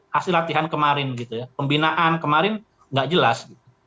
hasil latihan kemarin gitu ya pembinaan kemarin nggak jelas